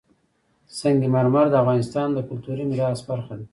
سنگ مرمر د افغانستان د کلتوري میراث برخه ده.